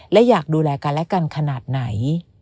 และอยากดูแลกันและกันขนาดไหน